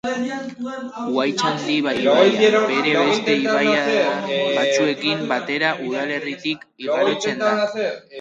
Uhaitzandi ibaia, bere beste ibaiadar batzuekin batera udalerritik igarotzen da.